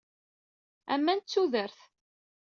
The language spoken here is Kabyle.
Aman d tudet.